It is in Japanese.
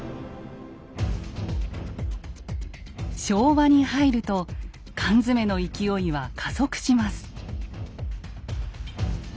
昭和に入ると缶詰の勢いは加速します。